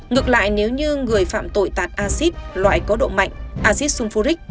ngược lại nếu như người phạm tội tạt acid loại có độ mạnh acid sulfuric